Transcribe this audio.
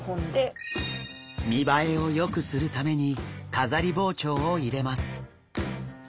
見栄えをよくするために飾り包丁を入れます。